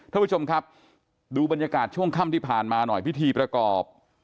ท่านผู้ชมครับดูบรรยากาศช่วงค่ำที่ผ่านมาหน่อยพิธีประกอบ